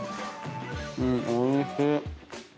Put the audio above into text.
おいしい。